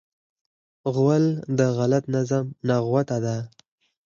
غول د غلط نظم نغوته ده.